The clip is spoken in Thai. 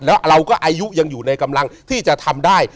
แล้วเราก็อายุยังอยู่ในกำลังที่จะทำได้